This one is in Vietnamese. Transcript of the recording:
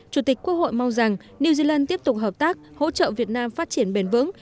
chủ tịch quốc hội mong rằng new zealand tiếp tục hợp tác hỗ trợ việt nam phát triển bền vững